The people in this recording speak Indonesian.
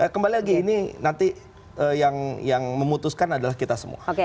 kembali lagi ini nanti yang memutuskan adalah kita semua